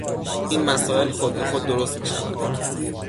این مسایل خود بخود درست میشوند.